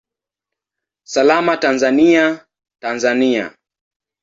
Salama Tanzania, Tanzania!